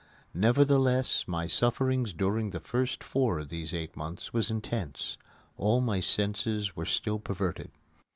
Nevertheless my sufferings during the first four of these eight months was intense. All my senses were still perverted.